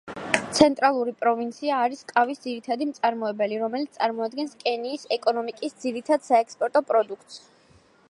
ცენტრალური პროვინცია არის ყავის ძირითადი მწარმოებელი, რომელიც წარმოადგენს კენიის ეკონიმიკის ძირითად საექსპორტო პროდუქტს.